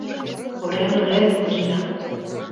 Орен-орен Орина